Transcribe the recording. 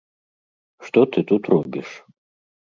Што ты тут робіш?